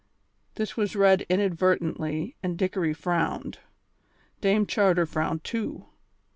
This was read inadvertently, and Dickory frowned. Dame Charter frowned too.